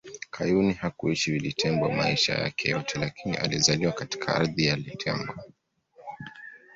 Kayuni hakuishi Litembo maisha yake yote lakini alizaliwa katika ardhi ya Litembo